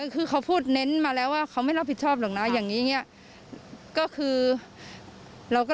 เขาได้มาตรฐานหรือเปล่า